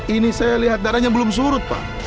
ini saya lihat darahnya belum surut pak